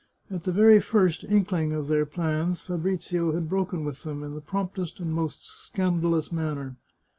At the very first inkling of their plans Fabrizio had broken with them 229 The Chartreuse of Parma in the promptest and most scandalous manner.